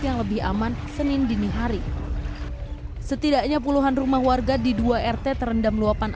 yang lebih aman senin dini hari setidaknya puluhan rumah warga di dua rt terendam luapan